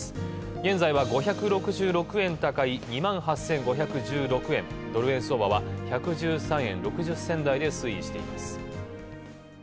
現在は５６６円高い、２万８５１６円ドル円相場は１１３円６０銭台で推移しています。